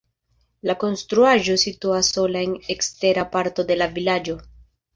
La konstruaĵo situas sola en ekstera parto de la vilaĝo.